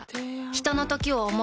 ひとのときを、想う。